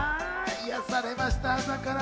癒やされました、朝から。